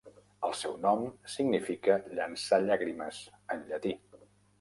El seu nom significa "llançar llàgrimes" en llatí.